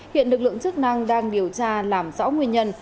hiện lực lượng chức năng đang điều tra làm rõ nguyên nhân